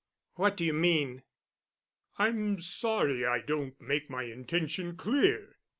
"What do you mean?" "I'm sorry I don't make my intention clear.